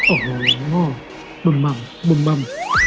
โอ้โหบึมบัมบึมบัม